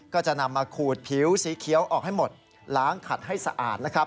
ก็จะนำมาขูดผิวสีเขียวออกให้หมดล้างขัดให้สะอาดนะครับ